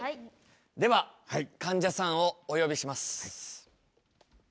ではかんじゃさんをお呼びします。